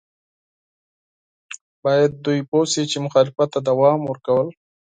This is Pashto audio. باید دوی پوه شي چې مخالفت ته دوام ورکول.